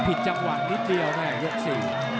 ผิดจำหวะนิดเดียวแหละโยคสิ